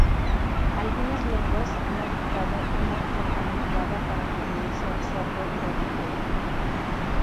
Algunas lenguas han adoptado una forma derivada para referirse al cerdo hormiguero.